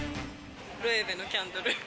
ロエベのキャンドル。